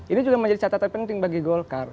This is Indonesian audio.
ini juga menjadi catatan penting bagi golkar